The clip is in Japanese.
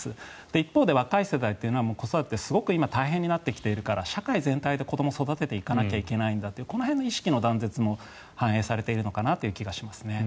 一方で、若い世代は子育てが今すごく大変になっているから社会全体で子どもを育てていかなきゃいけないんだというこの辺の意識の断絶も反映されているのかなという気がしますね。